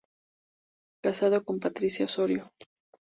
Casado con Patricia Osorio.